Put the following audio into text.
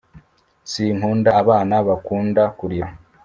sinkunda abana bakunda kurira